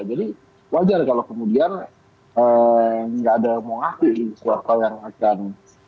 jadi wajar kalau kemudian nggak ada mengakui siapa yang akan